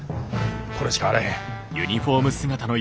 これしかあらへん。